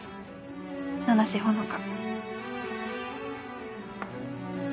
「七瀬ほのか」